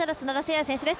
弥選手です